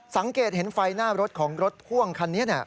สังเกตเห็นไฟหน้ารถของรถพ่วงคันนี้